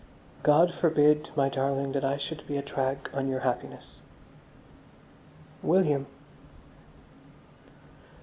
God forbid, my darling, that I should be a drag on your happiness. William!